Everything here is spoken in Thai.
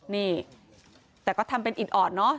นี่แต่ก็ทำเป็นอิดออดเนอะ